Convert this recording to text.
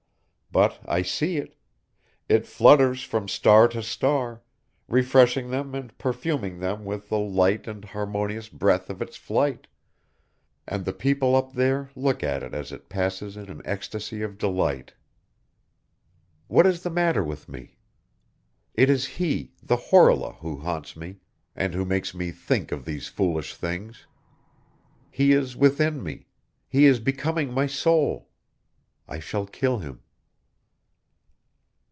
But I see it ... it flutters from star to star, refreshing them and perfuming them with the light and harmonious breath of its flight!... And the people up there look at it as it passes in an ecstasy of delight!... What is the matter with me? It is he, the Horla who haunts me, and who makes me think of these foolish things! He is within me, he is becoming my soul; I shall kill him!